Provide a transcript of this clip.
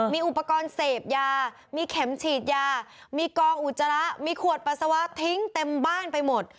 มีอุปกรณ์เสพยามีเข็มฉีดยามีกองอุจจาระมีขวดปัสสาวะทิ้งเต็มบ้านไปหมด